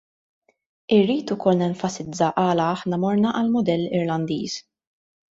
Irrid ukoll nenfasizza għala aħna morna għall-mudell Irlandiż.